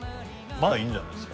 まだいいんじゃないですか？